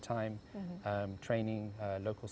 untuk melatih staf lokal